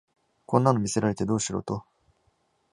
こんなの見せられてどうしろと